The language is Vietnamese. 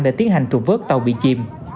để tiến hành trụ vớt tàu bị chìm